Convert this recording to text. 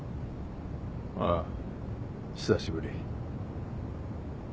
ああ久しぶり。